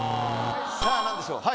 さあなんでしょう？